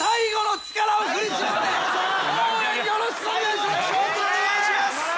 応援よろしくお願いします！